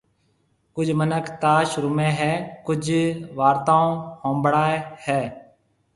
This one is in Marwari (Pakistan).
ڪجھ مِنک تاش رُميَ ھيََََ، ڪجھ وارتائون ھنڀڙائيَ ھيََََ